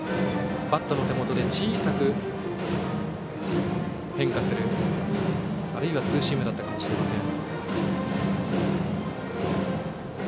バットの手元で小さく変化するツーシームだったかもしれません。